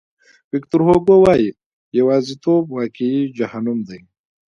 ویکتور هوګو وایي یوازیتوب واقعي جهنم دی.